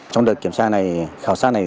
trong đợt kiểm tra này khảo sát này